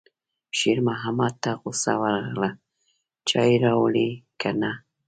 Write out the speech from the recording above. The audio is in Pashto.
شېرمحمد ته غوسه ورغله: چای راوړې که نه